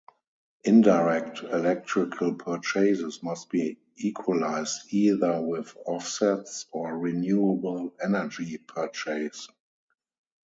Indirect electrical purchases must be equalized either with offsets, or renewable energy purchase.